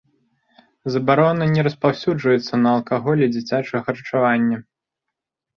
Забарона не распаўсюджваецца на алкаголь і дзіцячае харчаванне.